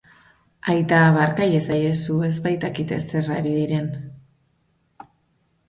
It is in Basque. Aita, barka iezaiezu, ez baitakite zer ari diren.